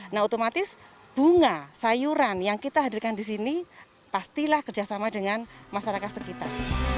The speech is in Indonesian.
nah otomatis bunga sayuran yang kita hadirkan di sini pastilah kerjasama dengan masyarakat sekitar